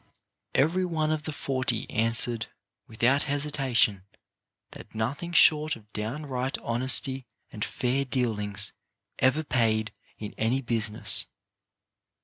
Every one of the forty answered, with out hesitation, that nothing short of downright honesty and fair dealing ever paid in any business.